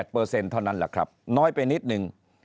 ๖๗๘เปอร์เซ็นต์เท่านั้นแหละครับน้อยไปนิดนึง